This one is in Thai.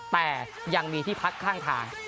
แต่ยังมีที่พักข้างทาง